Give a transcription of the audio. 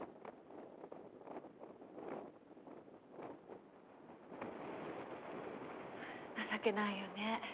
はぁ情けないよね。